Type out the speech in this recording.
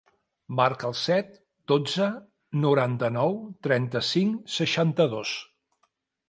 Marca el set, dotze, noranta-nou, trenta-cinc, seixanta-dos.